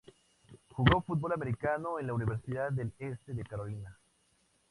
Jugó fútbol americano en la Universidad del Este de Carolina.